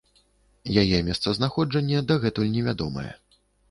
Яе месцазнаходжанне дагэтуль невядомае.